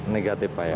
negatif pak ya